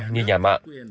như nhà mạng